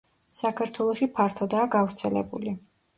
საქართველოში ფართოდაა გავრცელებული.